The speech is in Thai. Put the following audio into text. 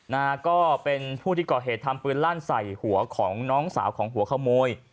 นะฮะก็เป็นผู้ที่ก่อเหตุทำปืนลั่นใส่หัวของน้องสาวของหัวขโมย